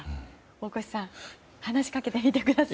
大越さん話しかけてみてください。